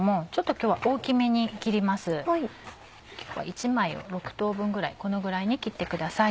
今日は１枚を６等分ぐらいこのぐらいに切ってください。